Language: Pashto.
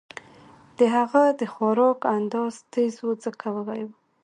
د هغه د خوراک انداز تېز و ځکه وږی و